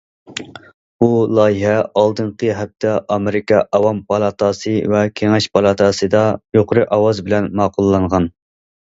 بۇ لايىھە ئالدىنقى ھەپتە ئامېرىكا ئاۋام پالاتاسى ۋە كېڭەش پالاتاسىدا يۇقىرى ئاۋاز بىلەن ماقۇللانغان.